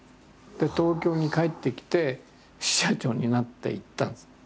で東京に帰ってきて支社長になっていったんです。